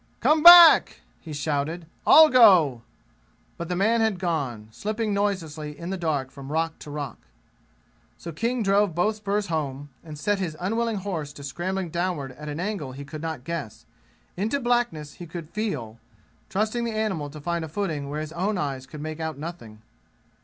"Come back!" he shouted. "I'll go." But the man had gone, slipping noiselessly in the dark from rock to rock. So King drove both spurs home, and set his unwilling horse to scrambling downward at an angle he could not guess, into blackness he could feel, trusting the animal to find a footing where his own eyes could make out nothing.